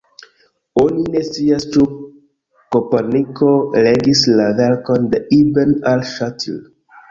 Oni ne scias ĉu Koperniko legis la verkon de ibn al-Ŝatir.